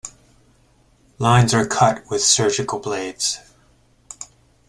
Lines are cut with surgical blades.